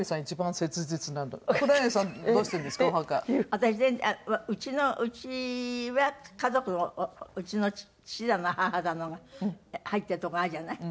私うちは家族うちの父だの母だのが入ってる所があるじゃない。